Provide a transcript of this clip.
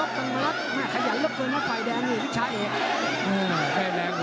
ขยันเยอะเกินมาฝ่ายแดงเลยชาย